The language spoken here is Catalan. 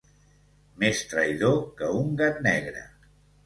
Més traïdor que un gat negre.